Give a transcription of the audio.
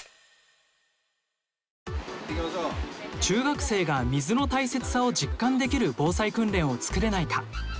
中学生が水の大切さを実感できる防災訓練を作れないか。